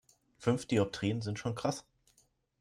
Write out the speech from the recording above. Fünf Dioptrien sind schon krass.